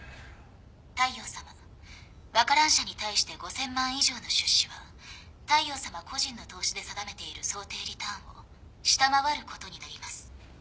大陽さまワカラン社に対して５，０００万以上の出資は大陽さま個人の投資で定めている想定リターンを下回ることになります。